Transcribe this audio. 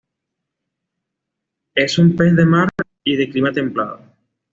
Es un pez de mar y, de clima templado.